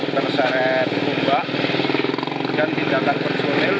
terseret ombak kemudian pindahkan personil